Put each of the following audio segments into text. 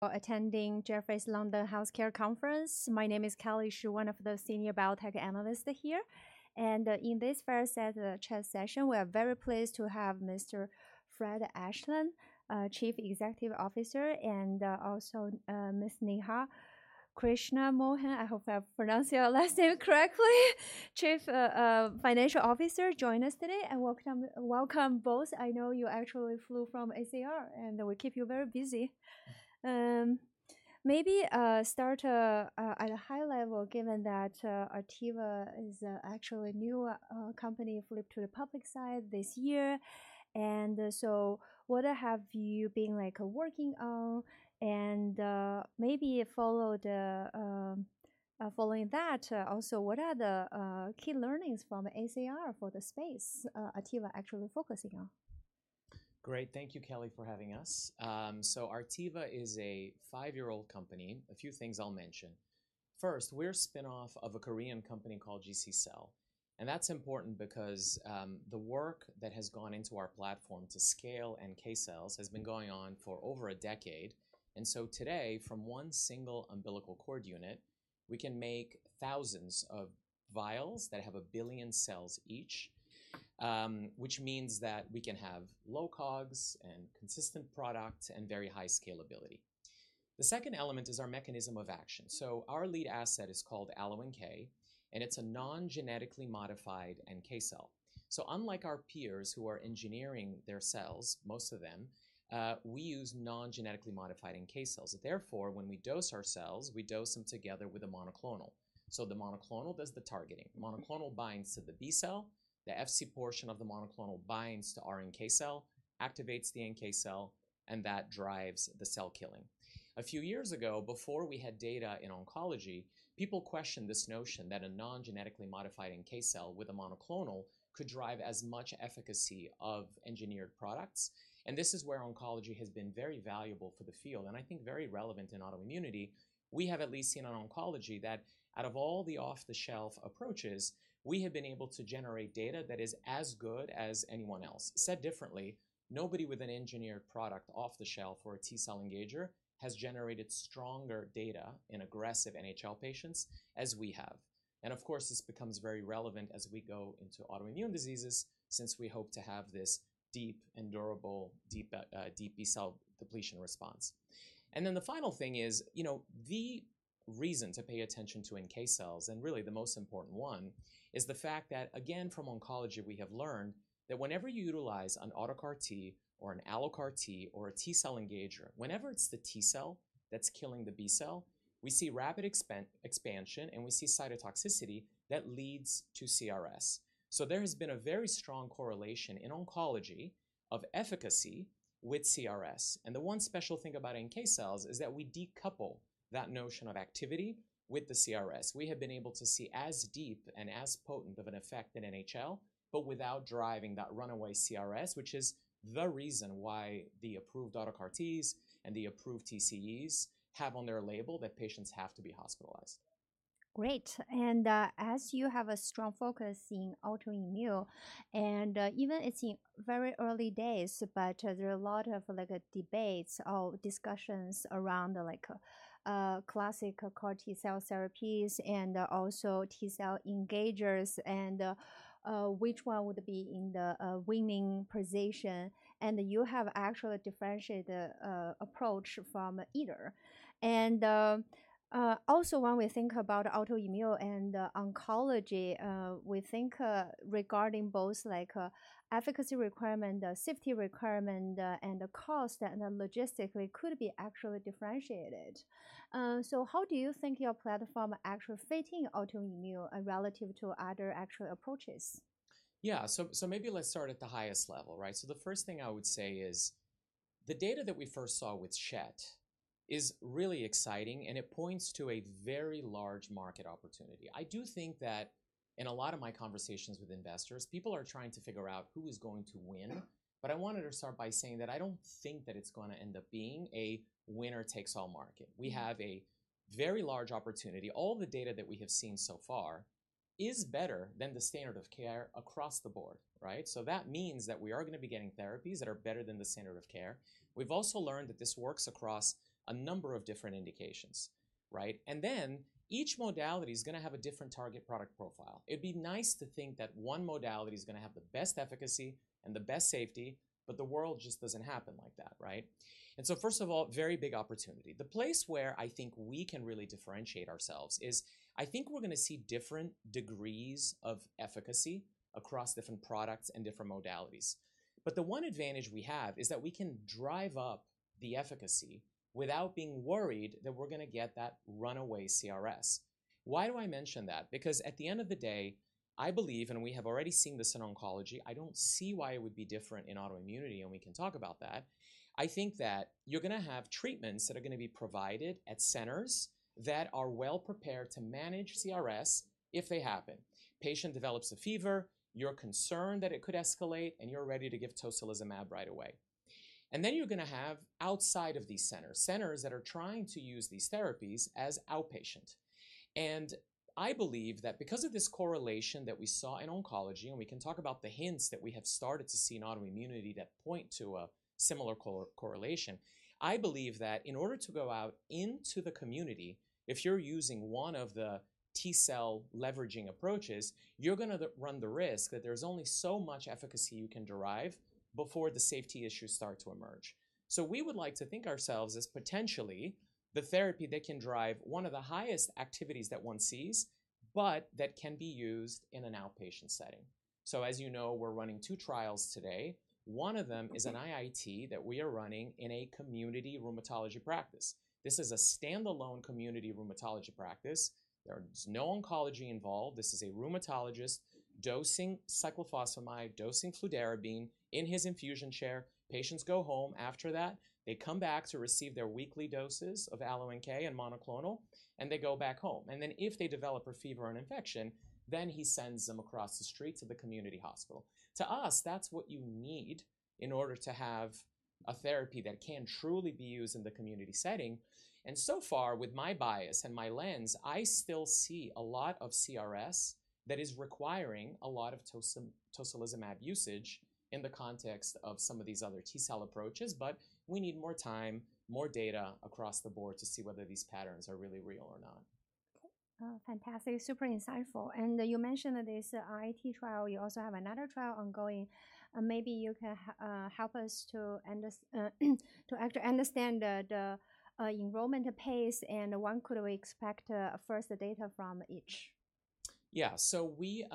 For attending Jefferies' London Healthcare Conference. My name is Kelly Shi, one of the senior biotech analysts here. In this first chat session, we are very pleased to have Mr. Fred Aslan, Chief Executive Officer, and also Ms. Neha Krishnamohan, I hope I pronounced your last name correctly, Chief Financial Officer join us today. Welcome both. I know you actually flew from ACR, and we keep you very busy. Maybe start at a high level, given that Artiva is actually a new company flipped to the public side this year. What have you been working on? Maybe following that, also, what are the key learnings from ACR for the space Artiva is actually focusing on? Great. Thank you, Kelly, for having us. So Artiva is a five-year-old company. A few things I'll mention. First, we're a spinoff of a Korean company called GC Cell. And that's important because the work that has gone into our platform to scale and NK cells has been going on for over a decade. And so today, from one single umbilical cord unit, we can make thousands of vials that have a billion cells each, which means that we can have low COGS and consistent product and very high scalability. The second element is our mechanism of action. So our lead asset is called AlloNK, and it's a non-genetically modified NK cell. So unlike our peers who are engineering their cells, most of them, we use non-genetically modified NK cells. Therefore, when we dose our cells, we dose them together with a monoclonal. So the monoclonal does the targeting. The monoclonal binds to the B cell. The Fc portion of the monoclonal binds to our NK cell, activates the NK cell, and that drives the cell killing. A few years ago, before we had data in oncology, people questioned this notion that a non-genetically modified NK cell with a monoclonal could drive as much efficacy of engineered products, and this is where oncology has been very valuable for the field, and I think very relevant in autoimmunity. We have at least seen on oncology that out of all the off-the-shelf approaches, we have been able to generate data that is as good as anyone else. Said differently, nobody with an engineered product off-the-shelf or a T-cell engager has generated stronger data in aggressive NHL patients as we have. And of course, this becomes very relevant as we go into autoimmune diseases since we hope to have this deep and durable deep B cell depletion response. And then the final thing is the reason to pay attention to NK cells, and really the most important one, is the fact that, again, from oncology, we have learned that whenever you utilize an auto CAR-T or an allo CAR-T or a T-cell engager, whenever it's the T-cell that's killing the B cell, we see rapid expansion, and we see cytotoxicity that leads to CRS. So there has been a very strong correlation in oncology of efficacy with CRS. And the one special thing about NK cells is that we decouple that notion of activity with the CRS. We have been able to see as deep and as potent of an effect in NHL, but without driving that runaway CRS, which is the reason why the approved auto CAR-Ts and the approved TCEs have on their label that patients have to be hospitalized. Great. And as you have a strong focus in autoimmune, and even it's in very early days, but there are a lot of debates or discussions around classic CAR T-cell therapies and also T-cell engagers and which one would be in the winning position. And you have actually differentiated the approach from either. And also, when we think about autoimmune and oncology, we think regarding both efficacy requirement, safety requirement, and the cost and the logistics could be actually differentiated. So how do you think your platform actually fits in autoimmune relative to other actual approaches? Yeah. So maybe let's start at the highest level, right? So the first thing I would say is the data that we first saw with Schett is really exciting, and it points to a very large market opportunity. I do think that in a lot of my conversations with investors, people are trying to figure out who is going to win. But I wanted to start by saying that I don't think that it's going to end up being a winner-takes-all market. We have a very large opportunity. All the data that we have seen so far is better than the standard of care across the board, right? So that means that we are going to be getting therapies that are better than the standard of care. We've also learned that this works across a number of different indications, right? And then each modality is going to have a different target product profile. It'd be nice to think that one modality is going to have the best efficacy and the best safety, but the world just doesn't happen like that, right? And so first of all, very big opportunity. The place where I think we can really differentiate ourselves is I think we're going to see different degrees of efficacy across different products and different modalities. But the one advantage we have is that we can drive up the efficacy without being worried that we're going to get that runaway CRS. Why do I mention that? Because at the end of the day, I believe, and we have already seen this in oncology, I don't see why it would be different in autoimmunity, and we can talk about that. I think that you're going to have treatments that are going to be provided at centers that are well prepared to manage CRS if they happen. Patient develops a fever, you're concerned that it could escalate, and you're ready to give tocilizumab right away, and then you're going to have outside of these centers, centers that are trying to use these therapies as outpatient. And I believe that because of this correlation that we saw in oncology, and we can talk about the hints that we have started to see in autoimmunity that point to a similar correlation, I believe that in order to go out into the community, if you're using one of the T-cell leveraging approaches, you're going to run the risk that there's only so much efficacy you can derive before the safety issues start to emerge. So we would like to think of ourselves as potentially the therapy that can drive one of the highest activities that one sees, but that can be used in an outpatient setting. So as you know, we're running two trials today. One of them is an IIT that we are running in a community rheumatology practice. This is a standalone community rheumatology practice. There is no oncology involved. This is a rheumatologist dosing cyclophosphamide, dosing fludarabine in his infusion chair. Patients go home after that. They come back to receive their weekly doses of AlloNK and monoclonal, and they go back home. And then if they develop a fever and infection, then he sends them across the street to the community hospital. To us, that's what you need in order to have a therapy that can truly be used in the community setting. So far, with my bias and my lens, I still see a lot of CRS that is requiring a lot of tocilizumab usage in the context of some of these other T-cell approaches. We need more time, more data across the board to see whether these patterns are really real or not. Fantastic. Super insightful, and you mentioned this IIT trial. You also have another trial ongoing. Maybe you can help us to actually understand the enrollment pace and when could we expect first the data from each? Yeah. So we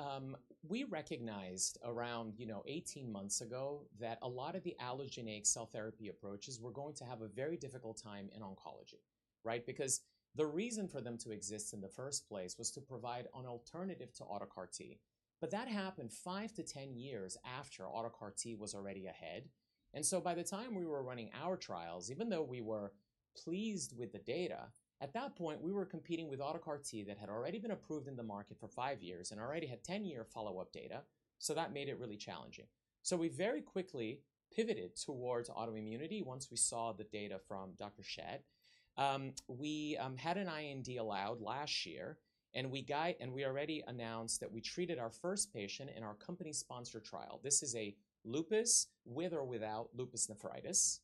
recognized around 18 months ago that a lot of the allogeneic cell therapy approaches were going to have a very difficult time in oncology, right? Because the reason for them to exist in the first place was to provide an alternative to auto CAR-T. But that happened 5years-10 years after auto CAR-T was already ahead. And so by the time we were running our trials, even though we were pleased with the data, at that point, we were competing with auto CAR-T that had already been approved in the market for 5 years and already had 10-year follow-up data. So that made it really challenging. So we very quickly pivoted towards autoimmunity once we saw the data from Dr. Schett. We had an IND allowed last year, and we already announced that we treated our first patient in our company-sponsored trial. This is a lupus with or without lupus nephritis.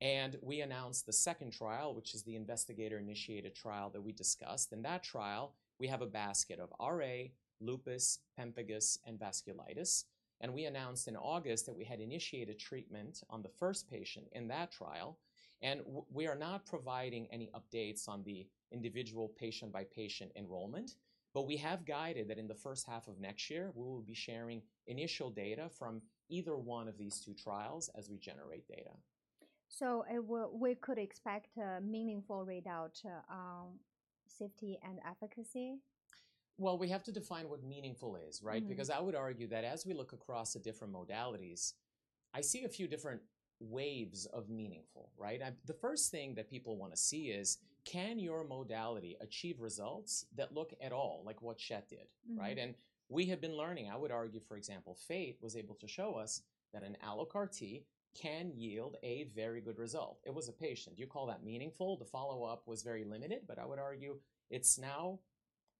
And we announced the second trial, which is the investigator-initiated trial that we discussed. In that trial, we have a basket of RA, lupus, pemphigus, and vasculitis. And we announced in August that we had initiated treatment on the first patient in that trial. And we are not providing any updates on the individual patient-by-patient enrollment, but we have guided that in the first half of next year, we will be sharing initial data from either one of these two trials as we generate data. So we could expect a meaningful readout, safety, and efficacy? Well, we have to define what meaningful is, right? Because I would argue that as we look across the different modalities, I see a few different waves of meaningful, right? The first thing that people want to see is, can your modality achieve results that look at all like what Schett did, right? And we have been learning, I would argue, for example, Faith was able to show us that an allo CAR-T can yield a very good result. It was a patient. You call that meaningful. The follow-up was very limited, but I would argue it's now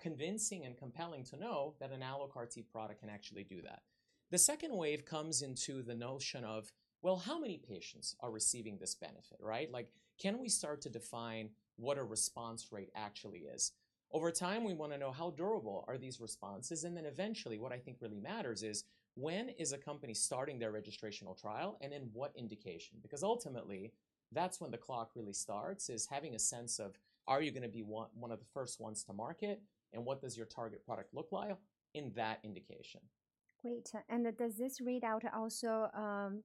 convincing and compelling to know that an allo CAR-T product can actually do that. The second wave comes into the notion of, well, how many patients are receiving this benefit, right? Can we start to define what a response rate actually is? Over time, we want to know how durable are these responses? And then eventually, what I think really matters is when is a company starting their registrational trial and in what indication? Because ultimately, that's when the clock really starts, is having a sense of, are you going to be one of the first ones to market, and what does your target product look like in that indication? Great. And does this readout also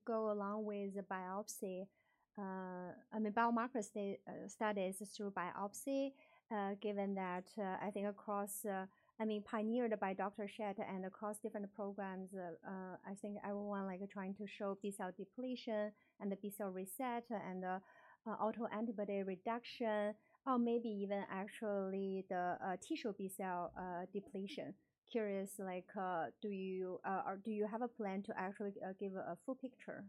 go along with biopsy? I mean, biomarker studies through biopsy, given that I think across, I mean, pioneered by Dr. Schett and across different programs, I think everyone trying to show B-cell depletion and the B-cell reset and autoantibody reduction, or maybe even actually the tissue B-cell depletion. Curious, do you have a plan to actually give a full picture?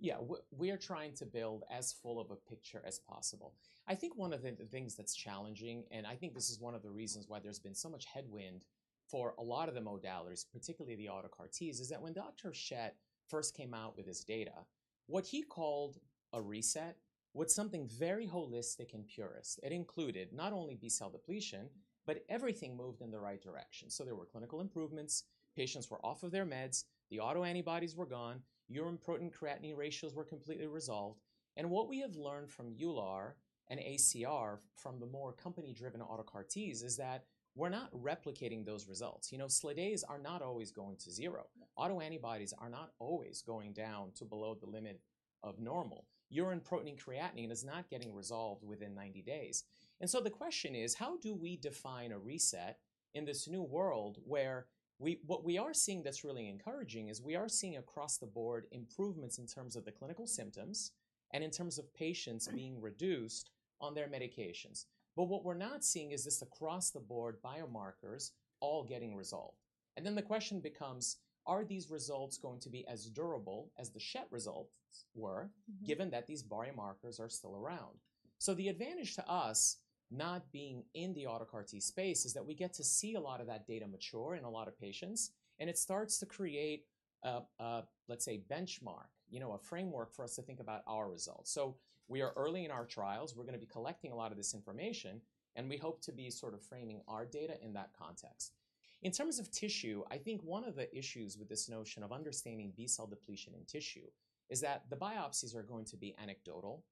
Yeah. We are trying to build as full of a picture as possible. I think one of the things that's challenging, and I think this is one of the reasons why there's been so much headwind for a lot of the modalities, particularly the auto CAR-Ts, is that when Dr. Schett first came out with his data, what he called a reset was something very holistic and purist. It included not only B-cell depletion, but everything moved in the right direction. So there were clinical improvements. Patients were off of their meds. The autoantibodies were gone. Urine protein creatinine ratios were completely resolved, and what we have learned from EULAR and ACR, from the more company-driven auto CAR-Ts, is that we're not replicating those results. You know, SLEDAIs are not always going to zero. Autoantibodies are not always going down to below the limit of normal. Urine protein creatinine is not getting resolved within 90 days. And so the question is, how do we define a reset in this new world where what we are seeing that's really encouraging is we are seeing across the board improvements in terms of the clinical symptoms and in terms of patients being reduced on their medications. But what we're not seeing is this across-the-board biomarkers all getting resolved. And then the question becomes, are these results going to be as durable as the Schett results were, given that these biomarkers are still around? So the advantage to us not being in the auto CAR-T space is that we get to see a lot of that data mature in a lot of patients, and it starts to create, let's say, a benchmark, you know, a framework for us to think about our results. So we are early in our trials. We're going to be collecting a lot of this information, and we hope to be sort of framing our data in that context. In terms of tissue, I think one of the issues with this notion of understanding B-cell depletion in tissue is that the biopsies are going to be anecdotal,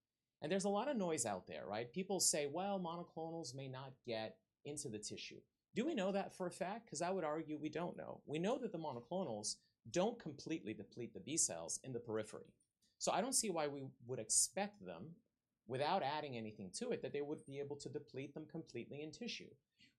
and there's a lot of noise out there, right? People say, well, monoclonals may not get into the tissue. Do we know that for a fact? Because I would argue we don't know. We know that the monoclonals don't completely deplete the B-cells in the periphery. So I don't see why we would expect them, without adding anything to it, that they would be able to deplete them completely in tissue.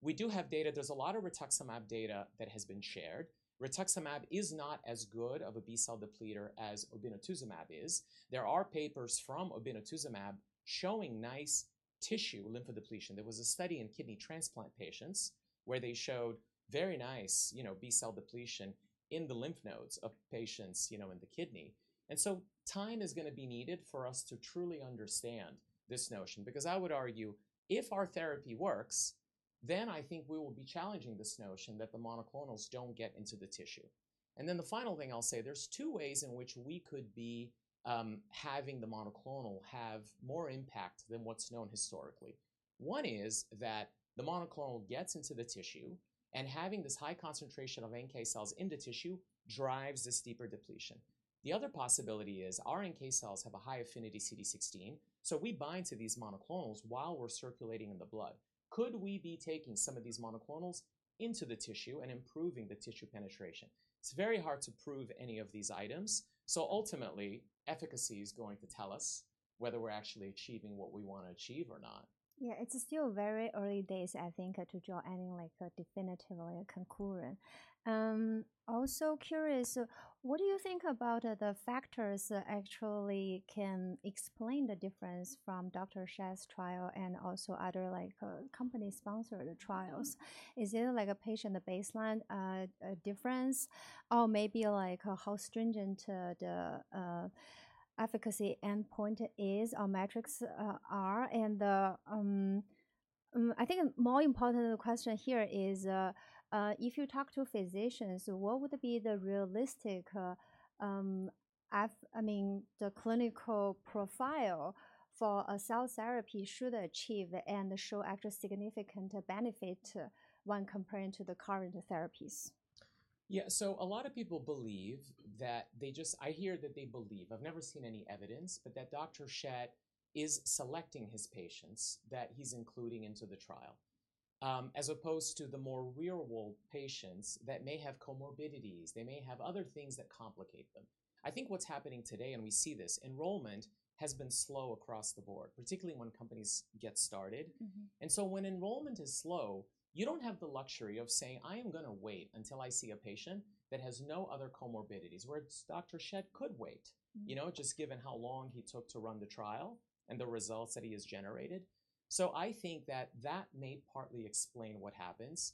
We do have data. There's a lot of rituximab data that has been shared. Rituximab is not as good of a B-cell depleter as obinutuzumab is. There are papers from obinutuzumab showing nice tissue lymphodepletion. There was a study in kidney transplant patients where they showed very nice B-cell depletion in the lymph nodes of patients in the kidney. And so time is going to be needed for us to truly understand this notion. Because I would argue, if our therapy works, then I think we will be challenging this notion that the monoclonals don't get into the tissue. And then the final thing I'll say, there's two ways in which we could be having the monoclonal have more impact than what's known historically. One is that the monoclonal gets into the tissue, and having this high concentration of NK cells in the tissue drives this deeper depletion. The other possibility is our NK cells have a high affinity CD16, so we bind to these monoclonals while we're circulating in the blood. Could we be taking some of these monoclonals into the tissue and improving the tissue penetration? It's very hard to prove any of these items. So ultimately, efficacy is going to tell us whether we're actually achieving what we want to achieve or not. Yeah. It's still very early days, I think, to draw any definitive conclusion. Also curious, what do you think about the factors that actually can explain the difference from Dr. Schett's trial and also other company-sponsored trials? Is there a patient baseline difference, or maybe how stringent the efficacy endpoint is or metrics are? And I think a more important question here is, if you talk to physicians, what would be the realistic, I mean, the clinical profile for a cell therapy should achieve and show actual significant benefit when compared to the current therapies? Yeah. So a lot of people believe that they just, I hear that they believe. I've never seen any evidence, but that Dr. Schett is selecting his patients that he's including into the trial, as opposed to the more real-world patients that may have comorbidities. They may have other things that complicate them. I think what's happening today, and we see this, enrollment has been slow across the board, particularly when companies get started. And so when enrollment is slow, you don't have the luxury of saying, I am going to wait until I see a patient that has no other comorbidities, whereas Dr. Schett could wait, you know, just given how long he took to run the trial and the results that he has generated. So I think that that may partly explain what happens.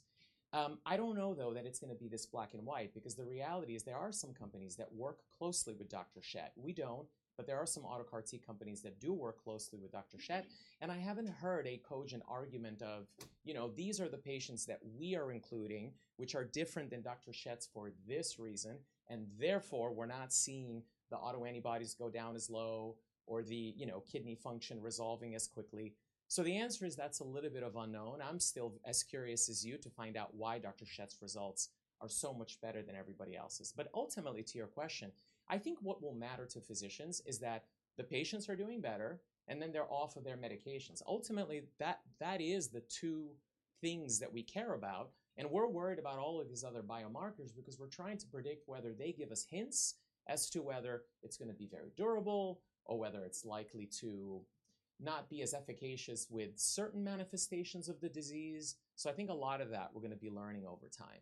I don't know, though, that it's going to be this black and white, because the reality is there are some companies that work closely with Dr. Schett. We don't, but there are some auto CAR-T companies that do work closely with Dr. Schett. And I haven't heard a cogent argument of, you know, these are the patients that we are including, which are different than Dr. Schett's for this reason, and therefore we're not seeing the autoantibodies go down as low or the kidney function resolving as quickly. So the answer is that's a little bit of unknown. I'm still as curious as you to find out why Dr. Schett's results are so much better than everybody else's. But ultimately, to your question, I think what will matter to physicians is that the patients are doing better, and then they're off of their medications. Ultimately, that is the two things that we care about. And we're worried about all of these other biomarkers because we're trying to predict whether they give us hints as to whether it's going to be very durable or whether it's likely to not be as efficacious with certain manifestations of the disease, so I think a lot of that we're going to be learning over time.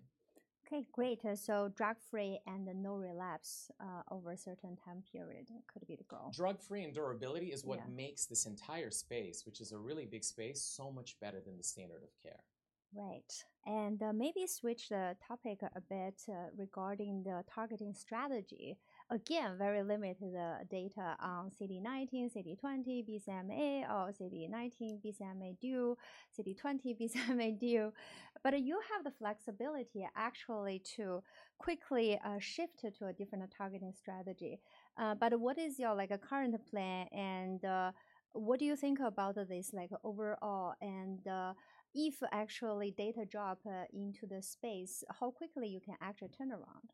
Okay. Great. So drug-free and no relapse over a certain time period could be the goal. Drug-free and durability is what makes this entire space, which is a really big space, so much better than the standard of care. Right. Maybe switch the topic a bit regarding the targeting strategy. Again, very limited data on CD19, CD20, BCMA, CD38, BCMA too, CD20, BCMA too. You have the flexibility actually to quickly shift to a different targeting strategy. What is your current plan, and what do you think about this overall? If actually data drop into the space, how quickly you can actually turn around?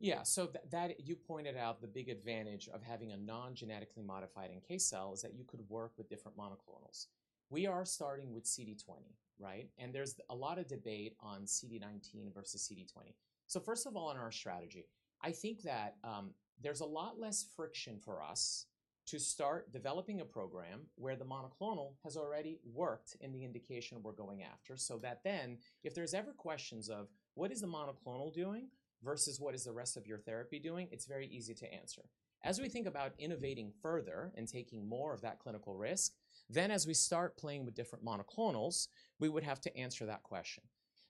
Yeah. So you pointed out the big advantage of having a non-genetically modified NK cell is that you could work with different monoclonals. We are starting with CD20, right? And there's a lot of debate on CD19 versus CD20. So first of all, in our strategy, I think that there's a lot less friction for us to start developing a program where the monoclonal has already worked in the indication we're going after, so that then if there's ever questions of what is the monoclonal doing versus what is the rest of your therapy doing, it's very easy to answer. As we think about innovating further and taking more of that clinical risk, then as we start playing with different monoclonals, we would have to answer that question.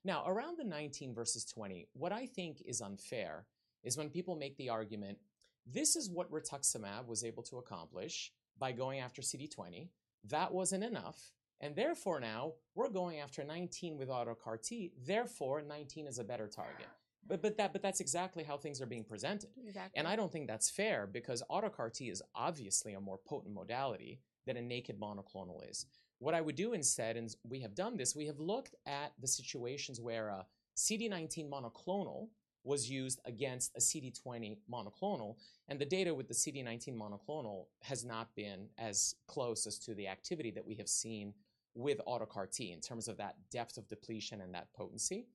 Now, around the 19 versus 20, what I think is unfair is when people make the argument, this is what rituximab was able to accomplish by going after CD20. That wasn't enough. And therefore now we're going after 19 with autologous CAR-T. Therefore, 19 is a better target. But that's exactly how things are being presented. And I don't think that's fair because autologous CAR-T is obviously a more potent modality than a naked monoclonal is. What I would do instead, and we have done this, we have looked at the situations where a CD19 monoclonal was used against a CD20 monoclonal, and the data with the CD19 monoclonal has not been as close as to the activity that we have seen with autologous CAR-T in terms of that depth of depletion and that potency.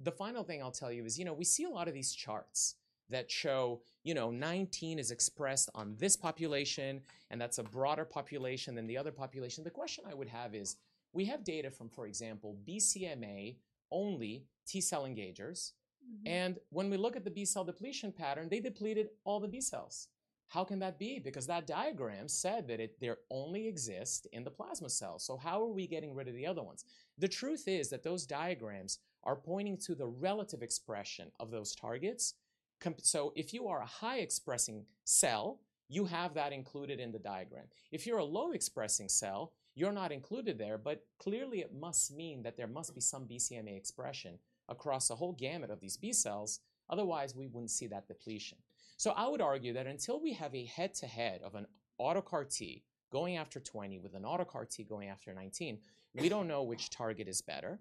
The final thing I'll tell you is, you know, we see a lot of these charts that show, you know, 19 is expressed on this population, and that's a broader population than the other population. The question I would have is, we have data from, for example, BCMA-only T-cell engagers, and when we look at the B-cell depletion pattern, they depleted all the B cells. How can that be? Because that diagram said that they only exist in the plasma cells. So how are we getting rid of the other ones? The truth is that those diagrams are pointing to the relative expression of those targets. So if you are a high-expressing cell, you have that included in the diagram. If you're a low-expressing cell, you're not included there, but clearly it must mean that there must be some BCMA expression across a whole gamut of these B cells. Otherwise, we wouldn't see that depletion. So I would argue that until we have a head-to-head of an auto CAR-T going after 20 with an auto CAR-T going after 19, we don't know which target is better.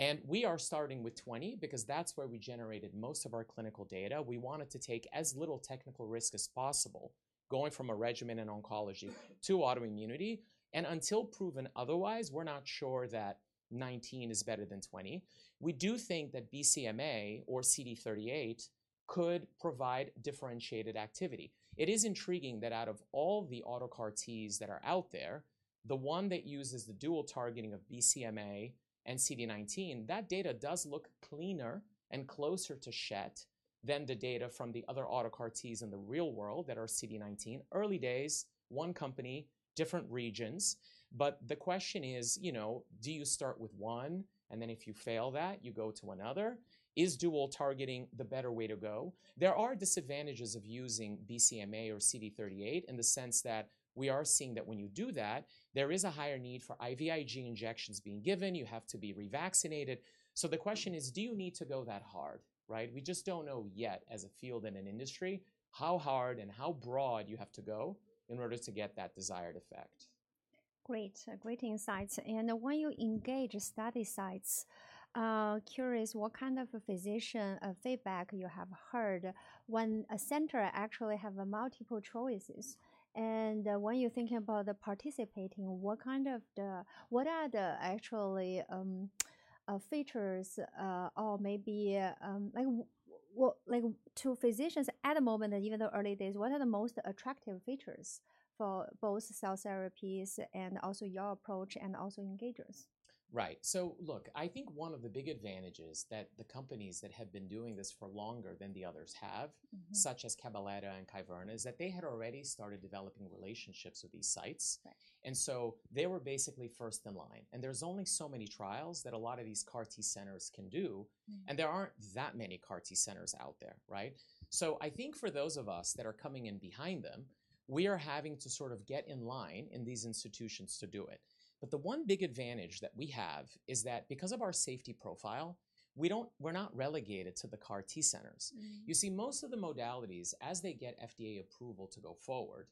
And we are starting with 20 because that's where we generated most of our clinical data. We wanted to take as little technical risk as possible going from a regimen in oncology to autoimmunity. And until proven otherwise, we're not sure that 19 is better than 20. We do think that BCMA or CD38 could provide differentiated activity. It is intriguing that out of all the auto CAR-Ts that are out there, the one that uses the dual targeting of BCMA and CD19, that data does look cleaner and closer to Schett than the data from the other auto CAR-Ts in the real world that are CD19. Early days, one company, different regions. But the question is, you know, do you start with one, and then if you fail that, you go to another? Is dual targeting the better way to go? There are disadvantages of using BCMA or CD38 in the sense that we are seeing that when you do that, there is a higher need for IVIG injections being given. You have to be revaccinated. So the question is, do you need to go that hard, right? We just don't know yet as a field and an industry how hard and how broad you have to go in order to get that desired effect. Great. Great insights. And when you engage study sites, curious what kind of physician feedback you have heard when a center actually has multiple choices. And when you're thinking about participating, what are the actual features that matter to physicians at the moment, even though early days, what are the most attractive features for both cell therapies and also your approach and also engagers? Right. So look, I think one of the big advantages that the companies that have been doing this for longer than the others have, such as Cabaletta and Kyverna, is that they had already started developing relationships with these sites. And so they were basically first in line. And there's only so many trials that a lot of these CAR T centers can do. And there aren't that many CAR T centers out there, right? So I think for those of us that are coming in behind them, we are having to sort of get in line in these institutions to do it. But the one big advantage that we have is that because of our safety profile, we're not relegated to the CAR T centers. You see, most of the modalities, as they get FDA approval to go forward,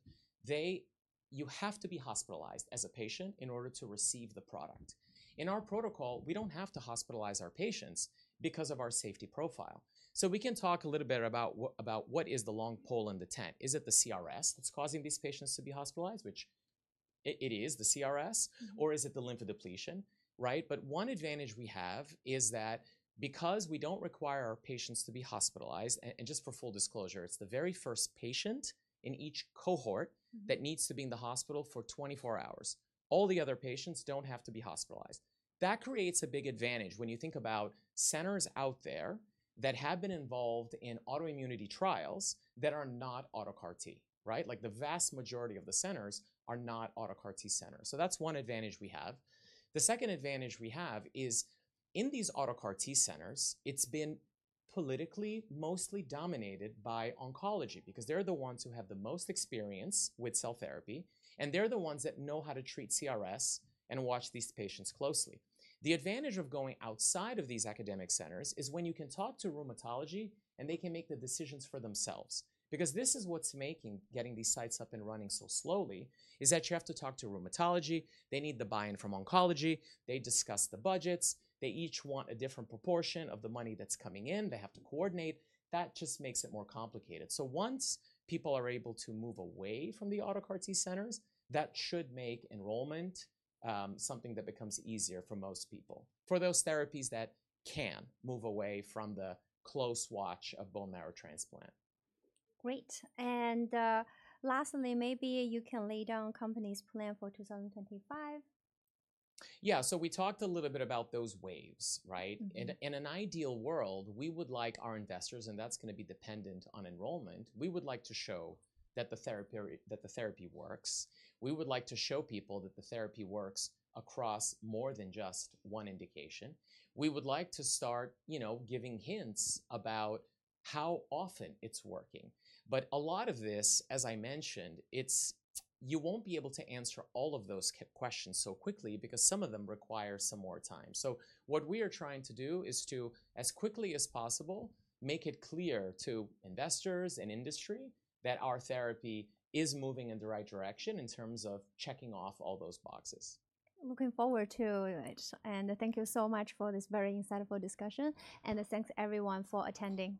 you have to be hospitalized as a patient in order to receive the product. In our protocol, we don't have to hospitalize our patients because of our safety profile. So we can talk a little bit about what is the long pole in the tent. Is it the CRS that's causing these patients to be hospitalized, which it is the CRS, or is it the lymphodepletion, right? But one advantage we have is that because we don't require our patients to be hospitalized, and just for full disclosure, it's the very first patient in each cohort that needs to be in the hospital for 24 hours. All the other patients don't have to be hospitalized. That creates a big advantage when you think about centers out there that have been involved in autoimmunity trials that are not auto CAR-T, right? Like the vast majority of the centers are not auto CAR-T centers. So that's one advantage we have. The second advantage we have is in these auto CAR-T centers, it's been politically mostly dominated by oncology because they're the ones who have the most experience with cell therapy, and they're the ones that know how to treat CRS and watch these patients closely. The advantage of going outside of these academic centers is when you can talk to rheumatology and they can make the decisions for themselves. Because this is what's making getting these sites up and running so slowly, is that you have to talk to rheumatology. They need the buy-in from oncology. They discuss the budgets. They each want a different proportion of the money that's coming in. They have to coordinate. That just makes it more complicated. So once people are able to move away from the auto CAR-T centers, that should make enrollment something that becomes easier for most people for those therapies that can move away from the close watch of bone marrow transplant. Great. And lastly, maybe you can lay out the company's plan for 2025. Yeah. So we talked a little bit about those waves, right? In an ideal world, we would like our investors, and that's going to be dependent on enrollment. We would like to show that the therapy works. We would like to show people that the therapy works across more than just one indication. We would like to start, you know, giving hints about how often it's working. But a lot of this, as I mentioned, it's you won't be able to answer all of those questions so quickly because some of them require some more time. So what we are trying to do is to, as quickly as possible, make it clear to investors and industry that our therapy is moving in the right direction in terms of checking off all those boxes. Looking forward to it. And thank you so much for this very insightful discussion. And thanks everyone for attending.